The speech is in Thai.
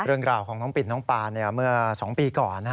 เรื่องราวของน้องปิดน้องปานเมื่อ๒ปีก่อน